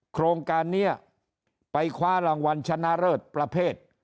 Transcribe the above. โครงการนี้ไปคว้ารางวัลชนะเลิศประเภท